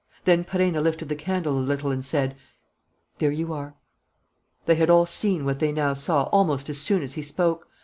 Then Perenna lifted the candle a little and said: "There you are." They had all seen what they now saw almost as soon as he spoke.